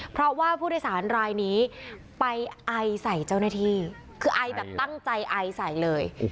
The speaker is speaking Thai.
เพราะว่าผู้โดยสารรายนี้ไปไอใส่เจ้าหน้าที่คือไอแบบตั้งใจไอใส่เลย